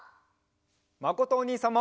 まことおにいさんも。